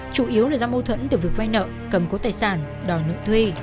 chủ yếu là do mâu thuẫn từ việc vay nợ cầm cố tài sản đòi nợ thuê